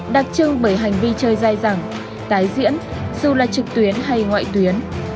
đặc trưng bởi hành vi chơi dài dẳng tái diễn dù là trực tuyến hay ngoại tuyến